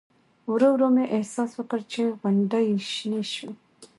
ورو ورو مې احساس وکړ چې غونډۍ شنې شوې.